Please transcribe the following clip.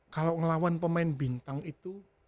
kalau ngelawan pemain bintang itu